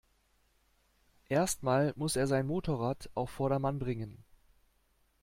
Erst mal muss er sein Motorrad auf Vordermann bringen.